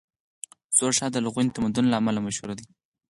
زوړ ښار د لرغوني تمدن له امله مشهور دی.